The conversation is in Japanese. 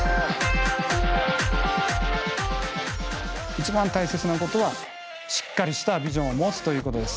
一番大切なことはしっかりしたビジョンを持つということです。